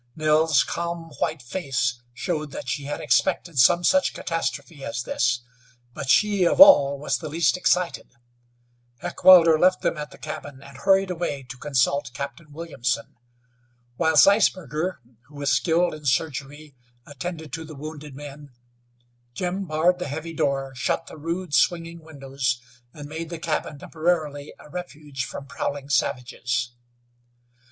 Nell's calm, white face showed that she had expected some such catastrophe as this, but she of all was the least excited. Heckewelder left them at the cabin and hurried away to consult Captain Williamson. While Zeisberger, who was skilled in surgery, attended to the wounded men, Jim barred the heavy door, shut the rude, swinging windows, and made the cabin temporarily a refuge from prowling savages.